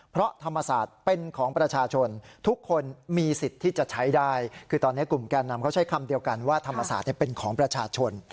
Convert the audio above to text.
เพราะธรรมศาสตร์เป็นของประชาชนทุกคนมีสิทธิ์ที่จะใช้ได้คือตอนนี้กลุ่มแก่นำเขาใช้คำเดียวกันว่าธรรมศาสตร์เป็นของประชาชน